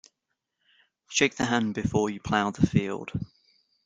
Shake the hand before you plough the field.